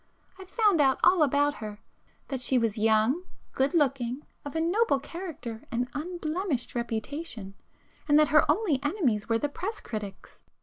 I found out all about her,—that she was young, good looking, of a noble character and unblemished reputation, and that her only enemies were the press critics.